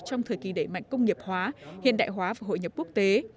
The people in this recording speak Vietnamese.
trong thời kỳ đẩy mạnh công nghiệp hóa hiện đại hóa và hội nhập quốc tế